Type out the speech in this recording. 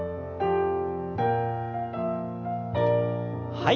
はい。